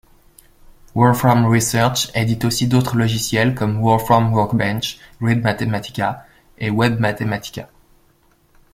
Wolfram Research édite aussi d’autres logiciels comme Wolfram Workbench, gridMathematica, et webMathematica.